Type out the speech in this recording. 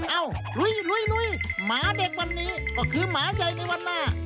ลุยหมาเด็กวันนี้ก็คือหมาใหญ่ในวันหน้า